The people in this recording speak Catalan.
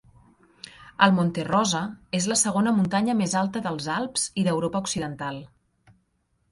El Monte Rosa és la segona muntanya més alta dels Alps i d'Europa occidental.